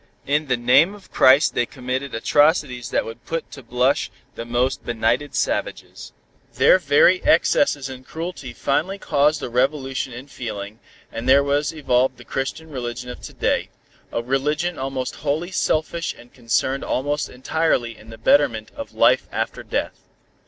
In the name of Christ they committed atrocities that would put to blush the most benighted savages. Their very excesses in cruelty finally caused a revolution in feeling, and there was evolved the Christian religion of to day, a religion almost wholly selfish and concerned almost entirely in the betterment of life after death."